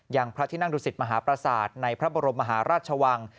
พระที่นั่งดุสิตมหาประสาทในพระบรมมหาราชวัง